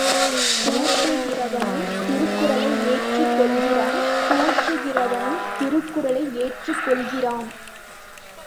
தூற்றுகிறவனும் திருக்குறளை ஏற்றுக் கொள்ளுகிறான் போற்றுகிறவனும் திருக்குறளை ஏற்றுக்கொள்ளுகிறான்.